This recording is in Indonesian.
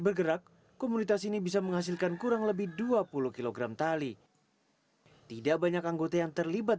bergerak komunitas ini bisa menghasilkan kurang lebih dua puluh kg tali tidak banyak anggota yang terlibat